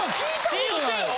信用してよ。